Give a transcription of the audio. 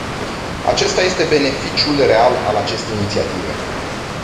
Acesta este beneficiul real al acestei inițiative.